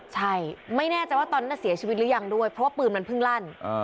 ใช่ไม่แน่ใจว่าตอนนั้นเสียชีวิตหรือยังด้วยเพราะว่าปืนมันเพิ่งลั่น